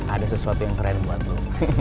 ada sesuatu yang keren buat lo